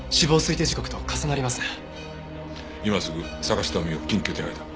今すぐ坂下海を緊急手配だ。